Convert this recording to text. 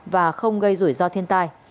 và không gây rủi ro thiên tai